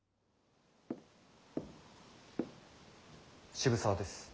渋沢です。